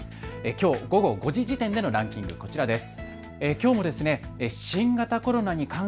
きょう午後５時時点でのランキング、こちらです。